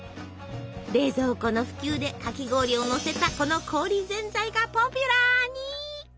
冷蔵庫の普及でかき氷をのせたこの氷ぜんざいがポピュラーに。